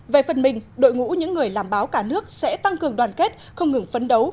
về phần mình đội ngũ những người làm báo cả nước sẽ tăng cường đoàn kết không ngừng phấn đấu